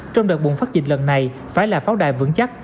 trong đợt bùng phát dịch lần này phải là pháo đài vững chắc